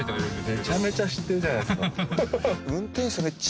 めちゃめちゃ知ってるじゃないですか。